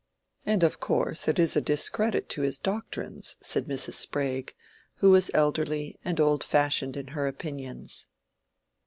"And of course it is a discredit to his doctrines," said Mrs. Sprague, who was elderly, and old fashioned in her opinions.